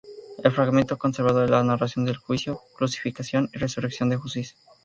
El fragmento conservado es la narración del juicio, crucifixión y resurrección de Jesús.